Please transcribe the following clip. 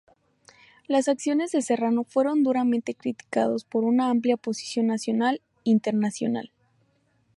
Las acciones de Serrano fueron duramente criticados por una amplia oposición nacional y internacional.